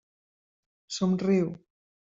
Somriu.